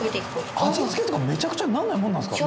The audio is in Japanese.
「味付けとかめちゃくちゃにならないもんなんですか？」